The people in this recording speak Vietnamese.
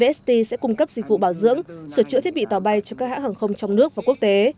st sẽ cung cấp dịch vụ bảo dưỡng sửa chữa thiết bị tàu bay cho các hãng hàng không trong nước và quốc tế